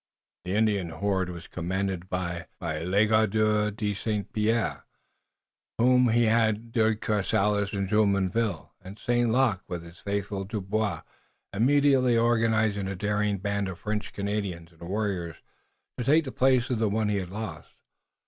The Indian horde was commanded by Legardeur de St. Pierre, who had with him De Courcelles and Jumonville, and St. Luc with his faithful Dubois immediately organized a daring band of French Canadians and warriors to take the place of the one he had lost.